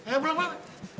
eh belum lah